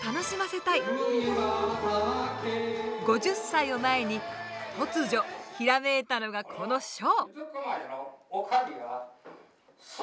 ５０歳を前に突如ひらめいたのがこのショー！